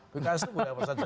pks itu boleh apa saja